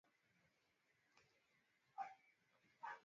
na hivyo kujikuta wakipigana na jamii wanazokutana nazo